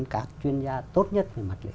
các chuyên gia tốt nhất